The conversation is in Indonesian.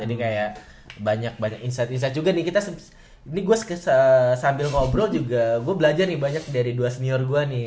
jadi kayak banyak banyak insight insight juga nih kita nih gue sambil ngobrol juga gue belajar nih banyak dari dua senior gue nih